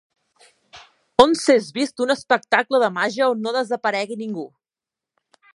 On s'és vist un espectacle de màgia on no desaparegui ningú!